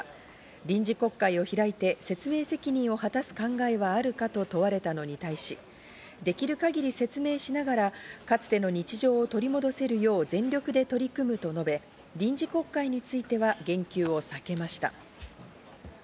臨時国会を開いて説明責任を果たす考えはあるかと問われたのに対し、できる限り説明しながらかつての日常を取り戻せるよう全力で取り組むと述べ、臨時国会については言及を避けました。